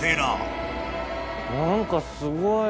何かすごい。